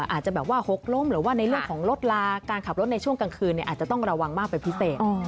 อาจจะแบบว่าหกล้มหรือว่าในเรื่องของรถลาการขับรถในช่วงกลางคืนอาจจะต้องระวังมากเป็นพิเศษ